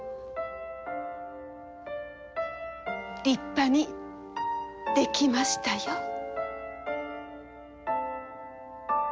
立派にできましたよ。